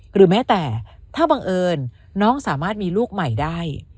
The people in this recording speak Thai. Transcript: หรือแม้แต่ถ้าบังเอิญน้องสามารถมีลูกใหม่ได้